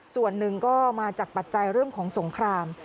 ส่วนหนึ่งก็มาจากปัจจัยเรื่องของสงคราม